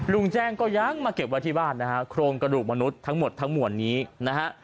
ลุงแจ้งก็ยังมาเก็บไว้ที่บ้านนะฮะโครงกระดูกมนุษย์ทั้งหมดทั้งมวลนี้นะฮะ